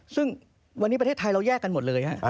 ซึ่งวันนี้ประเทศไทยเราแยกกันหมดเลย